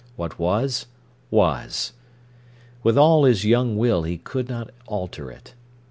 What was, was. With all his young will he could not alter it.